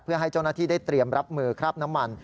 เพื่อให้เจ้าหน้าที่ได้เตรียมรับมือคราบน้ำมัน